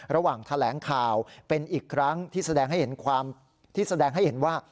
ระหว่างแถลงข่าวเป็นอีกครั้งที่แสดงให้เห็นว่า